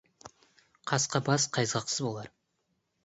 Қасқа бас қайызғақсыз болар.